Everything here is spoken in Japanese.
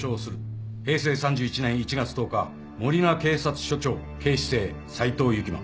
平成３１年１月１０日守名警察署長警視正斎藤幸真。